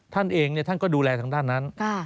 ท่านเองท่านก็ดูแลทางด้านนั้น